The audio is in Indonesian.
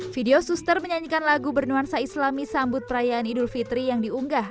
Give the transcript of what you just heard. video suster menyanyikan lagu bernuansa islami sambut perayaan idul fitri yang diunggah